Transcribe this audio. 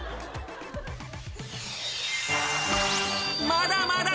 ［まだまだ］